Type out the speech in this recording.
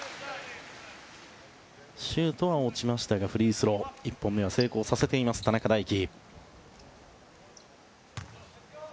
シュートは落ちましたがフリースローの１本目は成功させています、田中大貴。